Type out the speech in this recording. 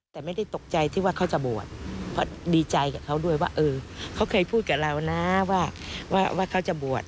แต่ไม่ได้ตกใจที่ว่าเขาจะบวชเพราะดีใจกับเขาด้วยว่าเออเขาเคยพูดกับเรานะว่าเขาจะบวช